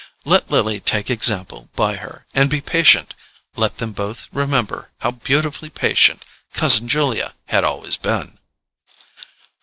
Let Lily take example by her, and be patient—let them both remember how beautifully patient cousin Julia had always been.